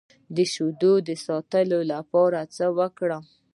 د شیدو د ساتلو لپاره څه وکړم؟